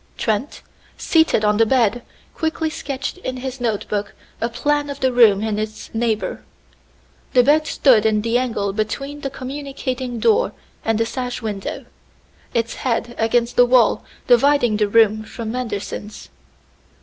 Trent, seated on the bed, quickly sketched in his notebook a plan of the room and its neighbor. The bed stood in the angle between the communicating door and the sash window, its head against the wall dividing the room from Manderson's.